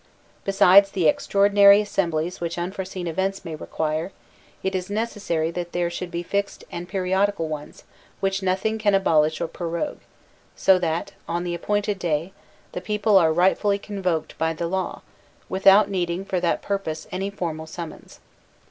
Besides the extraordinary assemblies which unforeseen events may require, it is necessary that there should be fixed and periodical ones which nothing can abolish or prorogue; so that, on the HOW SOVEREIGN AUTHORITY IS MAINTAINED 8i appointed day, the people are rightfully convoked by the law, without needing for that purpose any formal sum mons.